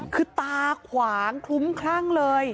คือตาขวางคลุ้มคลั่งเลย